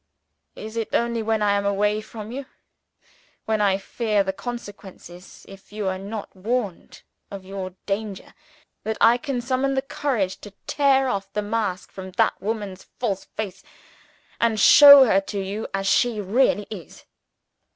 It is only when I am away from you when I fear the consequences if you are not warned of your danger that I can summon the courage to tear off the mask from that woman's false face, and show her to you as she really is.